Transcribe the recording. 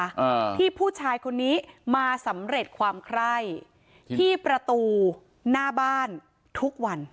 อ่าที่ผู้ชายคนนี้มาสำเร็จความไคร่ที่ประตูหน้าบ้านทุกวัน